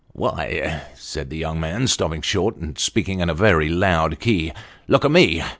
"Why," said the young man, stopping short, and speaking in a very loud key, " look at me.